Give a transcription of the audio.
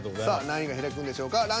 さあ何位が開くんでしょうか。